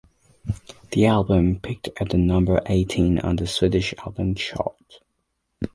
The album peaked at number eighteen on the Swedish Albums Chart.